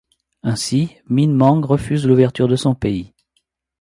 Ainsi Minh Mang refuse l'ouverture de son pays.